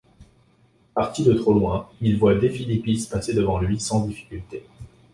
Parti de trop loin, il voit Defilippis passer devant lui sans difficulté.